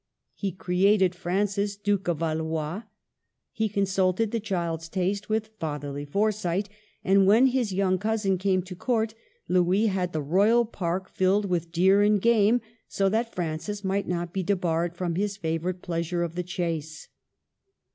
He created Francis Duke of Valois ; he consulted the child's taste with fatherly foresight; and when his young cousin came to court, Louis had the royal park filled with deer and game, so that Francis might not be debarred from his favorite pleasure of the chase.